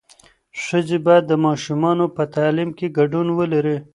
ښځې باید د ماشومانو په تعلیم کې ګډون ولري.